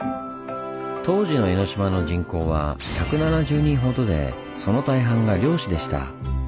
当時の江の島の人口は１７０人ほどでその大半が漁師でした。